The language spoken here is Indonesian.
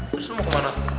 terus lo mau kemana